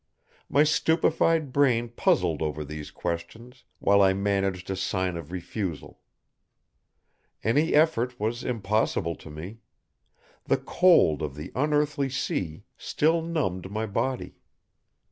My stupefied brain puzzled over these questions while I managed a sign of refusal. Any effort was impossible to me. The cold of the unearthly sea still numbed my body.